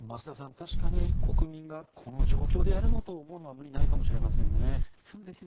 確かに国民がこの状況でやるのと思うのは無理ないかもしれませんね。